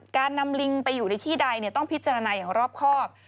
การนำลิงไปอยู่ในที่ใดต้องพิจารณาอย่างรอบครอบ